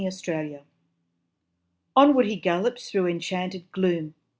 KNIGHT ERRANT Onward he gallops through enchanted gloom.